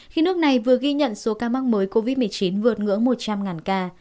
khi nước này vừa ghi nhận số ca mắc mới covid một mươi chín vượt ngưỡng một trăm linh ca